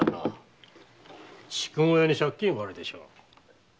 筑後屋に借金があるでしょう？